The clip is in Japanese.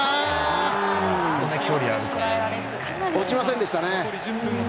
落ちませんでしたね。